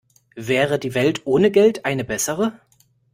Wäre die Welt ohne Geld eine bessere?